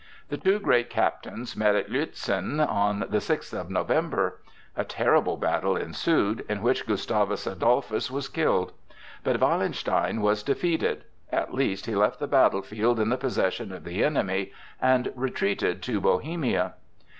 The two great captains met at Lützen on the sixth of November. A terrible battle ensued, in which Gustavus Adolphus was killed. But Wallenstein was defeated; at least he left the battle field in the possession of the enemy and retreated to Bohemia.